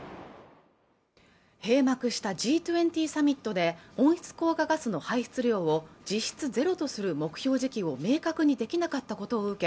閉幕したＧ２０サミットで温室効果ガスの排出量を実質ゼロとする目標時期を明確にできなかったことを受け